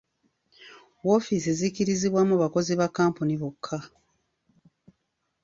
Woofiisi zikkirizibwamu bakozi ba kkampuni bokka.